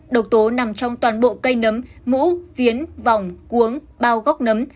độc tố nằm trong toàn bộ cây nấm mũ viến vòng cuống bao góc nấm